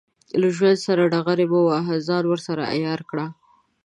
له ژوند سره ډغرې مه وهه، ځان ورسره عیار کړه.